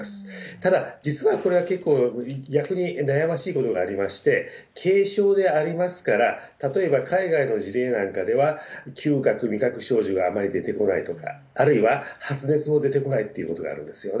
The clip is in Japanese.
ただ、実はこれは結構逆に悩ましいことがありまして、軽症でありますから、例えば海外の事例なんかでは、嗅覚、味覚症状があまり出てこないとか、あるいは発熱も出てこないってことがあるんですよね。